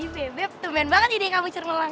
bebe temen banget ide kamu cermelang